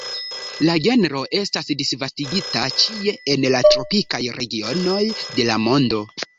La genro estas disvastigita ĉie en la tropikaj regionoj de la mondo.